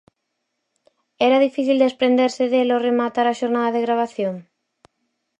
Era difícil desprenderse del ao rematar a xornada de gravación?